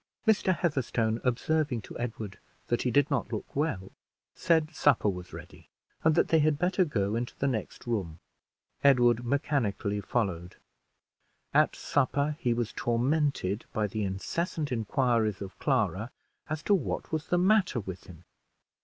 Mr. Heatherstone observing to Edward that he did not look well, said supper was ready, and that they had better go into the next room. Edward mechanically followed. At supper he was tormented by the incessant inquiries of Clara, as to what was the matter with him.